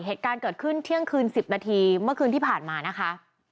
เหตุการณ์เกิดขึ้นเที่ยงคืน๑๐นาทีเมื่อคืนที่ผ่านมานะคะ